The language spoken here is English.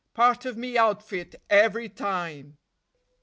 Part of me outfit every time.